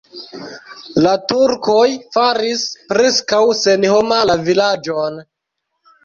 La turkoj faris preskaŭ senhoma la vilaĝon.